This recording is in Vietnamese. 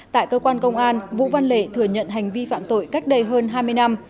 tại cơ quan công an vũ văn lệ thừa nhận hành vi phạm tội cách đây hơn hai mươi năm